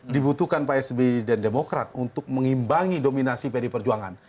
dibutuhkan pak sb dan demokrat untuk mengimbangi dominasi pd perjuangan